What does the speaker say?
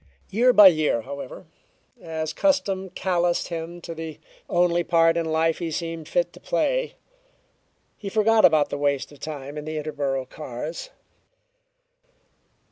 Year by year, however, as custom calloused him to the only part in life he seemed fit to play, he forgot about the waste of time in the Interborough cars.